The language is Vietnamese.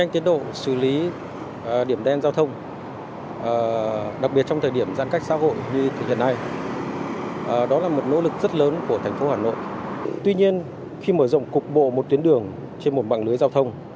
tuy nhiên khi mở rộng cục bộ một tuyến đường trên một mạng lưới giao thông